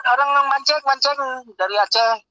orang mancing mancing dari aceh